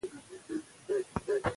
سوله د هر افغان لپاره د امید نوید دی.